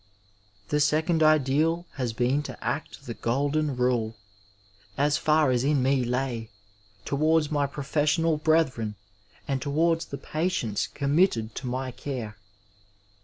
The second ideal has been to act the Golden Rule, as far as in me lay, towards my professional brethren and towards the patients committed to my care.